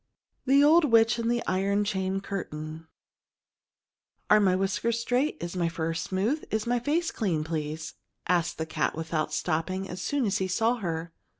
VI THE OLD WITCH AND THE IRON CHAIN CURTAIN "ARE my whiskers straight? Is my fur smooth? Is my face clean, please?" asked the cat without stopping, as soon as he saw her.